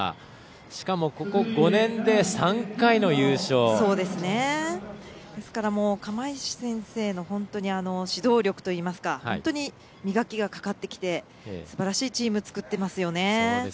しかも、ここ５年でですから、釜石先生の指導力といいますか本当に磨きがかかってきてすばらしいチーム作ってますよね。